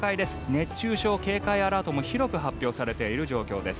熱中症警戒アラートも広く発表されている状況です。